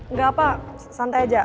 nggak apa santai aja